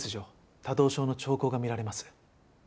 ・多動症の兆候が見られます。